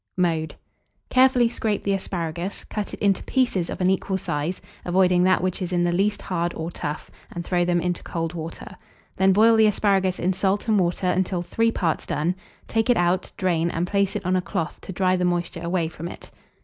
Mode. Carefully scrape the asparagus, cut it into pieces of an equal size, avoiding that which is in the least hard or tough, and throw them into cold water. Then boil the asparagus in salt and water until three parts done; take it out, drain, and place it on a cloth to dry the moisture away from it.